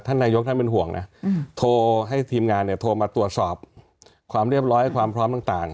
นายกท่านเป็นห่วงนะโทรให้ทีมงานเนี่ยโทรมาตรวจสอบความเรียบร้อยความพร้อมต่าง